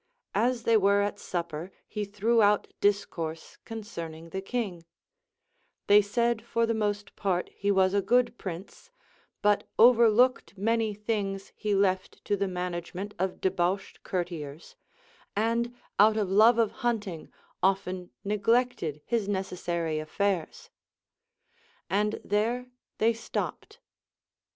As they were at supper, he threw out discourse concerning the king ; thev said for the most part he was a good prince, but overlooked many things he left to the management of debauched courtiers, and out of love of hunting often neglected his necessary aff'airs ; and there they stopped.